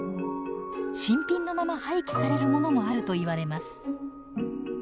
新品のまま廃棄されるものもあるといわれます。